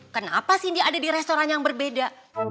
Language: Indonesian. kenapa cindy ada di restoran yang berbeda